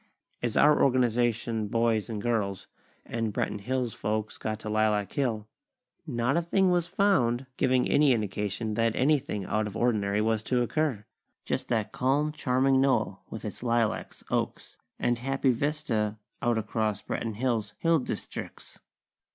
As our Organization boys and girls, and Branton Hills folks got to Lilac Hill, not a thing was found giving any indication that anything out of ordinary was to occur! Just that calm, charming knoll, with its lilacs, oaks, and happy vista out across Branton Hills' hill districts!